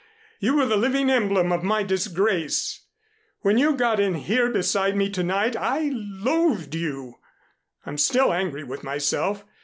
You were the living emblem of my disgrace. When you got in here beside me to night, I loathed you. I'm still angry with myself.